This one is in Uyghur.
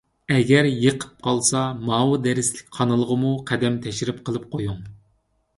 ئەگەر يېقىپ قالسا، ماۋۇ دەرسلىك قانىلىغىمۇ قەدەم تەشرىپ قىلىپ قويۇڭ.